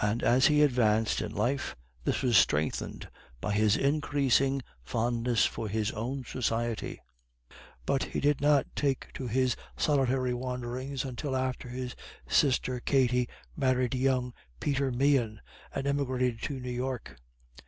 As he advanced in life this was strengthened by his increasing fondness for his own society, but he did not take to his solitary wanderings until after his sister Katty married young Peter Meehan and emigrated to New York.